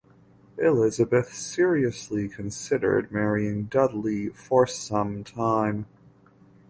Elizabeth seriously considered marrying Dudley for some time.